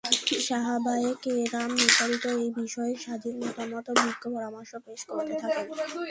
সাহাবায়ে কেরাম নির্ধারিত এ বিষয়ে স্বাধীন মতামত ও বিজ্ঞ পরামর্শ পেশ করতে থাকেন।